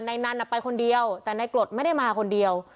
ในนั้นอ่ะไปคนเดียวแต่ในโกรธไม่ได้มาคนเดียว